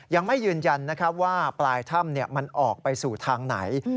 ยังไม่ยืนยันว่าปลายถ้ำมันออกไปสู่ทางไหน